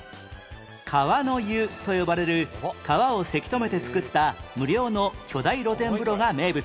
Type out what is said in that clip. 川の湯と呼ばれる川をせき止めて作った無料の巨大露天風呂が名物